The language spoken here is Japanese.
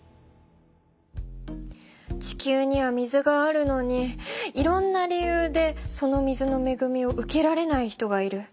地球には水があるのにいろんな理由でその水のめぐみを受けられない人がいる。